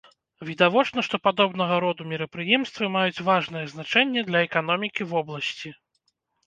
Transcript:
Відавочна, што падобнага роду мерапрыемствы маюць важнае значэнне для эканомікі вобласці.